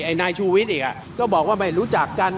นายชูวิทย์อีกก็บอกว่าไม่รู้จักกัน